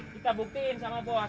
kita buktiin sama bos